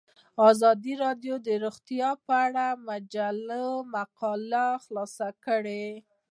ازادي راډیو د روغتیا په اړه د مجلو مقالو خلاصه کړې.